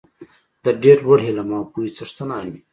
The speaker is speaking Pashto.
د ډېر لوړ علم او پوهې څښتنان وي.